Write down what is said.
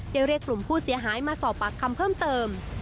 เรียกกลุ่มผู้เสียหายมาสอบปากคำเพิ่มเติม